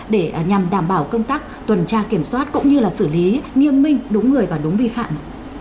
để nhằm đảm bảo công tác tuần tra kiểm soát cũng như xử lý nghiêm minh đúng người và đúng vi phạm